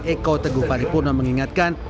eko teguh paripurna mengingatkan